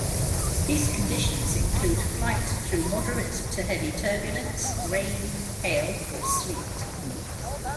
These conditions include flight through moderate to heavy turbulence, rain, hail or sleet.